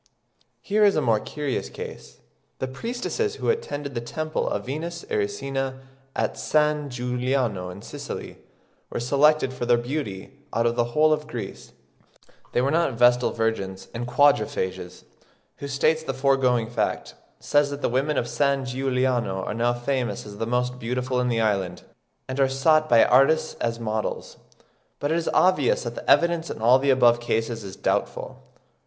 Here is a more curious case; the priestesses who attended the temple of Venus Erycina at San Giuliano in Sicily, were selected for their beauty out of the whole of Greece; they were not vestal virgins, and Quatrefages (3. 'Anthropologie,' 'Revue des Cours Scientifiques,' Oct. 1868, p. 721.), who states the foregoing fact, says that the women of San Giuliano are now famous as the most beautiful in the island, and are sought by artists as models. But it is obvious that the evidence in all the above cases is doubtful.